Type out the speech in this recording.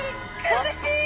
苦しい。